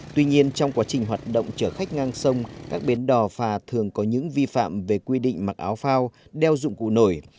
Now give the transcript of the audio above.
tuy nhiên trong quá trình hoạt động chở khách ngang sông các bến đò phà thường có những vi phạm về quy định mặc áo phao đeo dụng cụ nổi